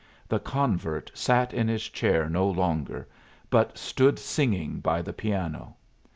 The convert sat in his chair no longer, but stood singing by the piano.